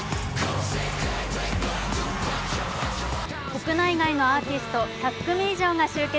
国内外のアーティスト１００組以上が集結。